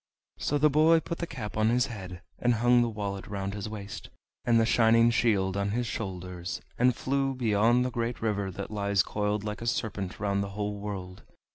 So the boy put the cap on his head, and hung the wallet round his waist, and the shining shield on his shoulders, and flew beyond the great river that lies coiled like a serpent round the whole world.